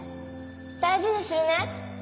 大事にするね。